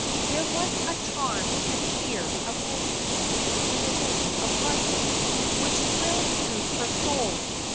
There was a charm to the ear of Agnes in the name of London, which thrilled through her soul.